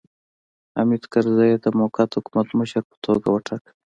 حامد کرزی یې د موقت حکومت مشر په توګه وټاکه.